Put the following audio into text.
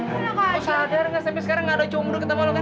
lo sadar ga sampai sekarang ga ada cowok mendekat sama lo kan